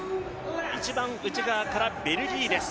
一番内側からベルギーです。